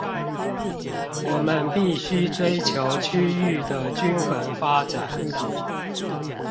我們必須追求區域的均衡發展